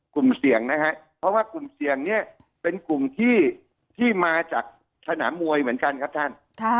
กลุ่มเสี่ยงนะครับเพราะว่ากลุ่มเสี่ยงเนี่ยเป็นกลุ่มที่มาจากสนามมวยเหมือนกันครับท่าน